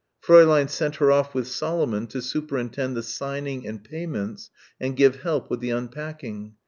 Fräulein sent her off with Solomon to superintend the signing and payments and give help with the unpacking.